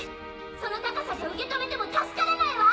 その高さじゃ受け止めても助からないわ！